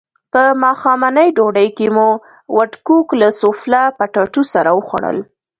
په ماښامنۍ ډوډۍ کې مو وډکوک له سوفله پټاټو سره وخوړل.